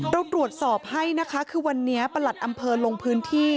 เราตรวจสอบให้นะคะคือวันนี้ประหลัดอำเภอลงพื้นที่